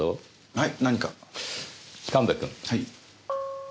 はい。